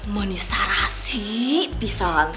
menisah rahasia bisa